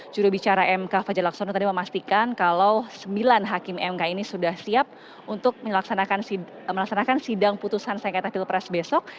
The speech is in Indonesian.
jurubicara mk fajar laksono tadi memastikan kalau sembilan hakim mk ini sudah siap untuk melaksanakan sidang putusan sengketa pilpres besok